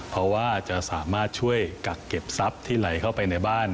เพราะว่าจะสามารถช่วยกักเก็บทรัพย์ที่ไหลเข้าไปในบ้าน